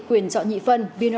quyền chọn nhị phân